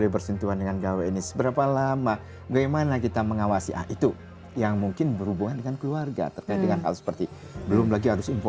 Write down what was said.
berdampak pada sebagian